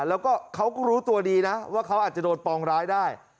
แล้วก็เขาก็รู้ตัวดีนะว่าเขาอาจจะโดนปองร้ายได้